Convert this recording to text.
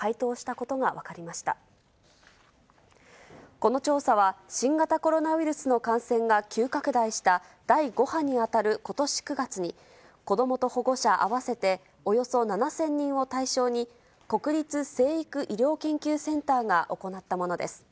この調査は、新型コロナウイルスの感染が急拡大した、第５波に当たることし９月に、子どもと保護者合わせておよそ７０００人を対象に、国立成育医療研究センターが行ったものです。